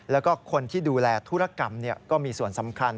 แล้วก็คนที่ดูแลธุรกรรมก็มีส่วนสำคัญ